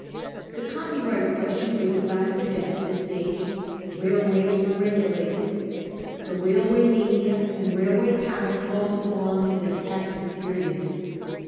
The copy right question was at least advanced a stage. Kail ways were regulated. The railway mania and railway panic also belong to this active period.